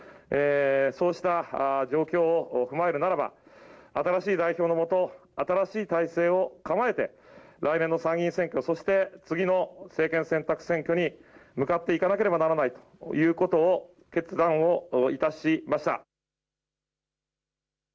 そうした状況を踏まえるならば新しい代表のもと、新しい体制を構えて来年の参議院選挙、そして次の政権選択選挙に向かっていかなければならないということを決断をいたしました。